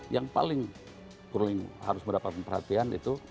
yang paling kurning harus mendapatkan perhatian itu